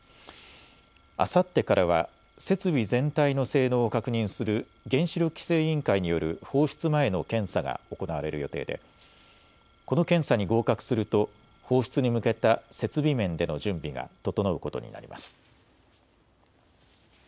あさってからは設備全体の性能を確認する原子力規制委員会による放出前の検査が行われる予定でこの検査に合格すると放出に向けた設備面での準備が整うことになります。